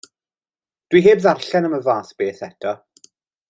Dw i heb ddarllen am y fath beth eto.